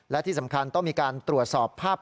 และที่สำคัญต้องมีการตรวจสอบภาพ